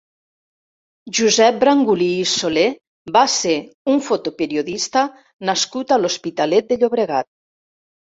Josep Brangulí i Soler va ser un fotoperiodista nascut a l'Hospitalet de Llobregat.